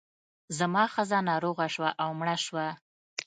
زما ښځه ناروغه شوه او مړه شوه.